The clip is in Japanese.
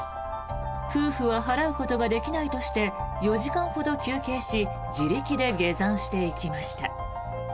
夫婦は払うことができないとして４時間ほど休憩し自力で下山していきました。